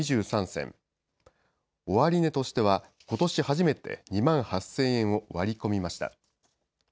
終値としてはことし初めて２万８０００円を割り込みました。